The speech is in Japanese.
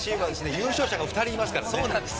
優勝者が２人いますからね。